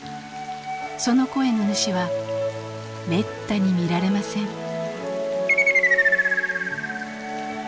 その声の主はめったに見られません。